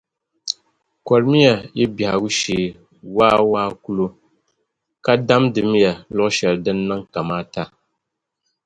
Kolimiya yi bɛhigu shee waawaa kulo, ka damdimiya luɣushɛli din niŋ kamaata.